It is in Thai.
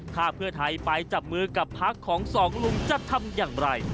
ถ้าเพื่อไทยไปจับมือกับพักของสองลุงจะทำอย่างไร